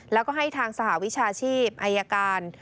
แล้วก็ให้ทางสหวิชาชีพอายการ